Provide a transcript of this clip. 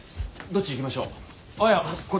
どっち行きましょう？